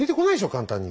簡単に。